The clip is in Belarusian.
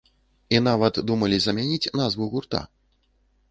І нават думалі замяніць назву гурта.